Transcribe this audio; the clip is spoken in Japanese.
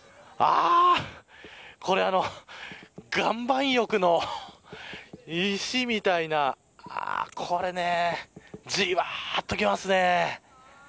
これ岩盤浴の石みたいなじわーっときますね。